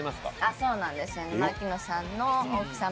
そうなんですよね。